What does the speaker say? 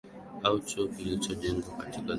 au chuo kilichojengwa katika Zama za Kati